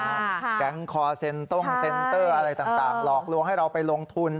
แก๊งคอร์เซ็นต้งเซ็นเตอร์อะไรต่างหลอกลวงให้เราไปลงทุน